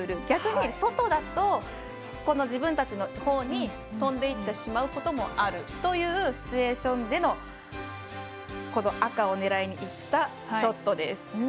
逆に外だと自分たちのほうに飛んでいってしまうこともあるというシチュエーションでの赤を狙いにいったショットです。